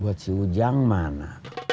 buat si ujang mana